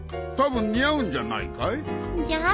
たぶん似合うんじゃないかい。